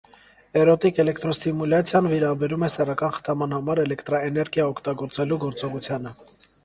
Էրոտիկ էլեկտրոստիմուլյացիան վերաբերում է սեռական խթանման համար էլեկտրաէներգիա օգտագործելու գործողությանը։